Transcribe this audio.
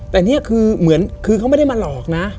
แต่นี่คือเค้าไม่ได้มาหลอกนะ